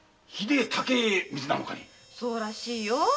そうらしいよ。